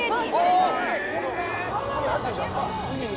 ここに入ってるじゃないですか。